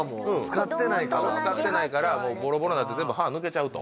顎使ってないからぼろぼろになって全部歯抜けちゃうと。